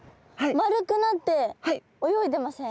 丸くなって泳いでません？